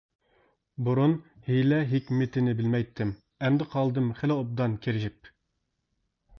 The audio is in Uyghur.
بۇرۇن ھىيلە-ھېكمىتىنى بىلمەيتتىم، ئەمدى قالدىم خېلى ئوبدان كىرىشىپ.